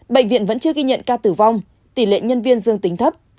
bệnh viện vẫn chưa ghi nhận ca tử vong tỷ lệ nhân viên dương tính thấp